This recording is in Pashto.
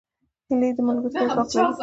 هیلۍ د ملګرتیا ځواک لري